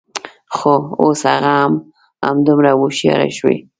خو، اوس هغه هم همدومره هوښیاره شوې